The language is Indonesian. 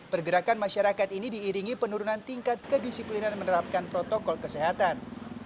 pergerakan masyarakat ini diiringi penurunan tingkat kedisiplinan menerapkan protokol kesehatan